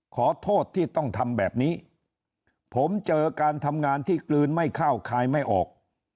ขอโทษที่ต้องทำแบบนี้ผมเจอการทำงานที่กลืนไม่เข้าคายไม่ออก